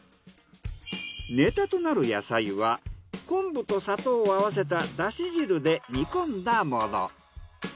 ネタとなる野菜は昆布と砂糖を合わせただし汁で煮込んだもの。